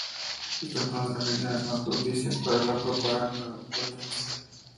Esta fue una de las regiones más propicias para la propaganda valdense.